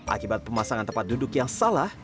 akibat pemasangan tempat duduk yang salah